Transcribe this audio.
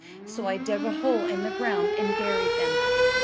So I dug a hole in the ground and buried them.